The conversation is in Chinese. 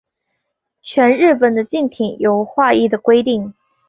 全日本的竞艇有划一的规定。